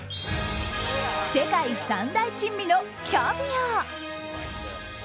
世界三大珍味のキャビア。